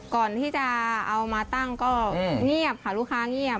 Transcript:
ก่อนที่จะเอามาตั้งก็เงียบค่ะลูกค้าเงียบ